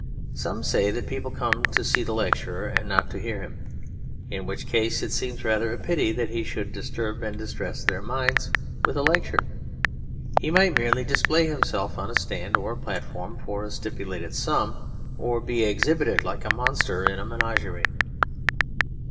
Some say that people come to see the lecturer and not to hear him; in which case it seems rather a pity that he should disturb and distress their minds with a lecture. He might merely display himself on a stand or platform for a stipulated sum; or be exhibited like a monster in a menagerie.